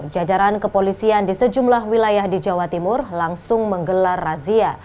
jajaran kepolisian di sejumlah wilayah di jawa timur langsung menggelar razia